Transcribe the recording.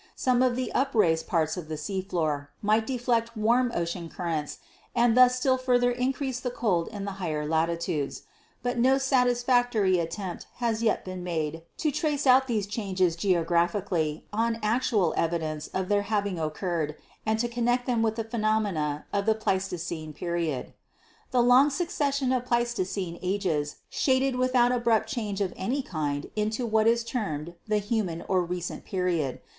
Some of the upraised parts of the sea floor might deflect warm ocean currents and thus still further increase the cold in the higher latitudes. But no satisfac tory attempt has yet been made to trace out these changes geographically on actual evidence of their having occurred and to connect them with the phenomena of the Pleisto cene Period. The long succession of Pleistocene ages shaded without abrupt change of any kind into what is termed the Human or Recent Period.